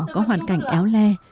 có hoàn cảnh áo đỏ